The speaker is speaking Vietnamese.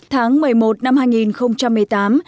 tháng một mươi một năm hai nghìn một mươi tám